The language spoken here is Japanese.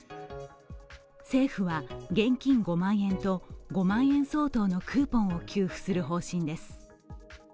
政府は現金５万円と５万円相当のクーポンを給付する方針です。